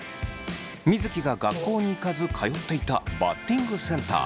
水城が学校に行かず通っていたバッティングセンター。